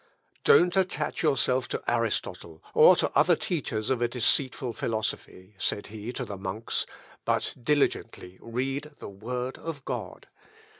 "Don't attach yourself to Aristotle, or to other teachers of a deceitful philosophy," said he to the monks, "but diligently read the word of God.